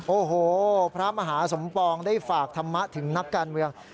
โอ้โหพระมหาสมปองได้ฝากธรรมะถึงนักการเมือง